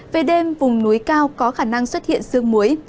về đêm vùng núi cao có khả năng xuất hiện sương muối